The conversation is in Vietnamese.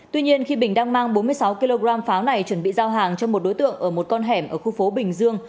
tuy nhiên khi bình đang mang bốn mươi sáu kg pháo này chuẩn bị giao hàng cho một đối tượng ở một con hẻm ở khu phố bình dương